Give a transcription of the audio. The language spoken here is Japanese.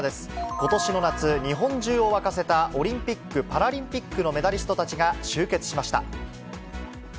ことしの夏、日本中を沸かせたオリンピック・パラリンピックのメダリストたちが集結しました。